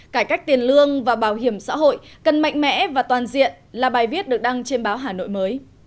cải cách tiền lương và bảo hiểm xã hội cần mạnh mẽ và toàn diện là bài viết được đăng trên báo hà nội mới